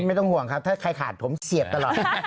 ไม่ต้องห่วงครับถ้าใครขาดผมเสียบตลอด